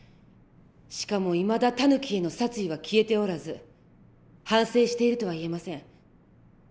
しかもいまだタヌキへの殺意は消えておらず反省しているとは言えません。